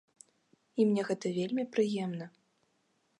І мне гэта вельмі прыемна.